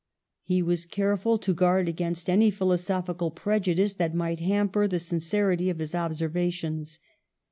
"He was careful to guard against any philo sophical prejudice that might hamper the sin cerity of his observations.